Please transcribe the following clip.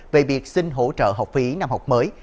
về việc xin hỗ trợ học phí năm học mới